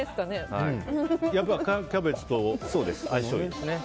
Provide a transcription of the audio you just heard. キャベツと相性がいいですね。